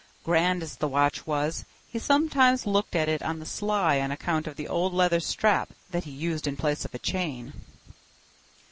Grand as the watch was, he sometimes looked at it on the sly on account of the old leather strap that he used in place of a chain.